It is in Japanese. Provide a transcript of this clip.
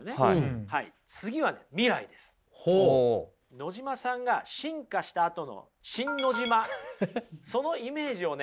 野島さんが進化したあとのシン・ノジマそのイメージをね